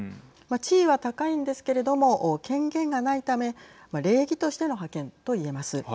地位は高いんですけれども権限がないため礼儀としての派遣といえます。